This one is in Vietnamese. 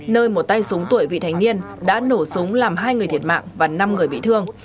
nơi một tay súng tuổi vị thành niên đã nổ súng làm hai người thiệt mạng và năm người bị thương